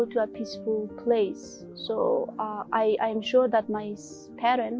saya merasa ada masa depannya untuk berada di negara yang aman